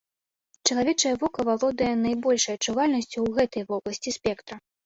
Чалавечае вока валодае найбольшай адчувальнасцю ў гэтай вобласці спектра.